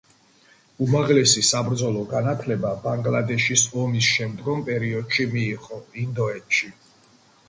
უმაღლესი საბრძოლო განათლება ბანგლადეშის ომის შემდგომ პერიოდში მიიღო, ინდოეთში.